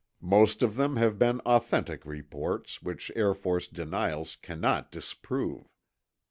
Most of them have been authentic reports, which Air Force denials cannot disprove.